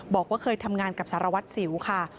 บอกว่าเคยทำงานกับสารวัตรสิวค่ะ